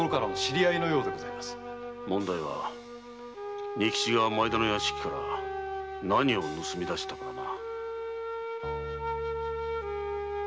問題は仁吉が前田の屋敷から何を盗み出したのかだな。